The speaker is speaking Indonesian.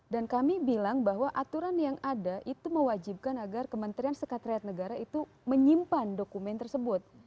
dan kami bilang bahwa aturan yang ada itu mewajibkan agar kementerian sekretariat negara itu menyimpan dokumen tersebut